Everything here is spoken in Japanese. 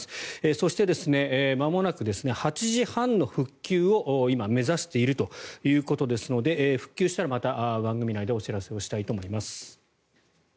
そして、まもなく８時半の復旧を今、目指しているということですので復旧したらまた番組内でお知らせしたいと思います。